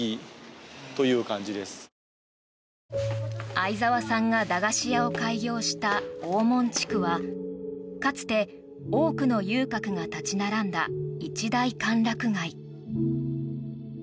あいざわさんが駄菓子屋を開業した大門地区はかつて多くの遊郭が立ち並んだ一大歓楽街。